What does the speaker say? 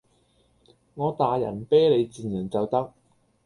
我大人睥你賤人就得